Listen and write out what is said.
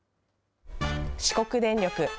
四国電力。